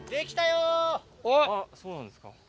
あっそうなんですか？